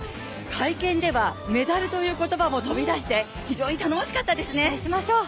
会見ではメダルという言葉も飛び出して、非常に頼もしかったですね。